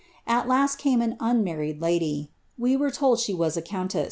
Al last came an unmarried lady, (we were told she was a covn ii?